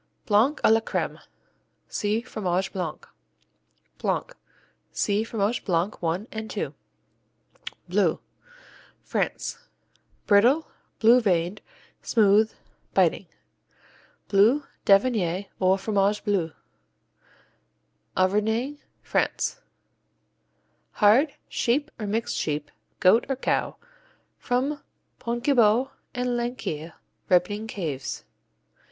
Blanc à la crème see Fromage Blanc. Blanc see Fromage Blanc I and II. Bleu France Brittle; blue veined; smooth; biting. Bleu d'Auvergne or Fromage Bleu Auvergne, France Hard; sheep or mixed sheep, goat or cow; from Pontgibaud and Laqueuille ripening caves.